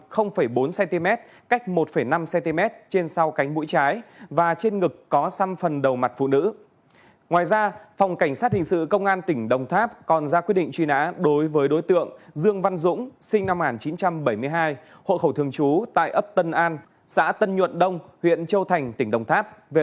phòng cảnh sát điều tra công an tỉnh đồng tháp đã ra quyết định truy nã số hai ngày một mươi tám tháng bảy năm hai nghìn một mươi bảy đối với đối tượng phan văn gan sinh năm một nghìn chín trăm bảy mươi bốn hộ khẩu thường trú tại bảy trăm năm mươi bốn trên một ấp một xã tam phước huyện châu thành tỉnh bến tre